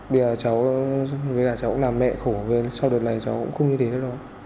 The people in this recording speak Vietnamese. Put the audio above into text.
bây giờ cháu cũng làm mẹ khổ sau đợt này cháu cũng không như thế nữa